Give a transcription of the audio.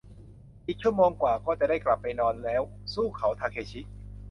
อีกชั่วโมงกว่าก็จะได้กลับไปนอนแล้ว สู้เค้าทาเคชิ